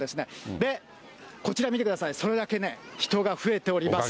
で、こちら見てください、それだけね、人が増えております。